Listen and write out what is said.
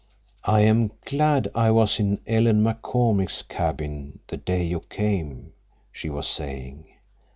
"I am glad I was in Ellen McCormick's cabin the day you came," she was saying.